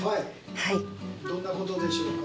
はいどんなことでしょうか？